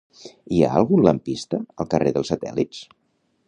Hi ha algun lampista al carrer dels Satèl·lits?